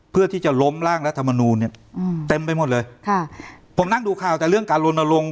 เพื่อที่จะล้มร่างรัฐมนูลเนี้ยอืมเต็มไปหมดเลยค่ะผมนั่งดูข่าวแต่เรื่องการลนลง